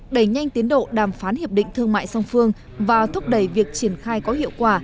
đẩy nhanh tiến độ đàm phán hiệp định thương mại song phương và thúc đẩy việc triển khai có hiệu quả